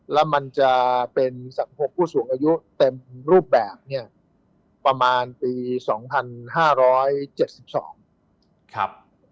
แล้วมันจะเป็นสังคมผู้สูงอายุเต็มรูปแบบเนี่ยประมาณปี๒๕๗๒ครับ